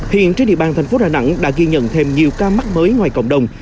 hiện trên địa bàn thành phố đà nẵng đã ghi nhận thêm nhiều ca mắc mới ngoài cộng đồng